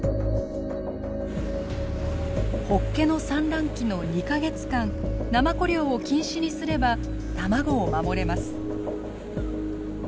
ホッケの産卵期の２か月間ナマコ漁を禁止にすれば卵を守れます。